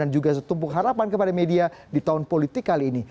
dan juga setumpuk harapan kepada media di tahun politik kali ini